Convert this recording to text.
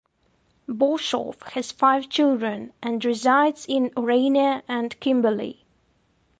Boshoff has five children and resides in Orania and Kimberley.